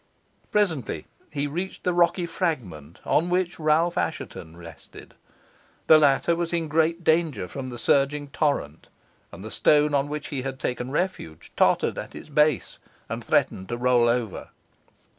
Presently he reached the rocky fragment on which Ralph Assheton rested. The latter was in great danger from the surging torrent, and the stone on which he had taken refuge tottered at its base, and threatened to roll over.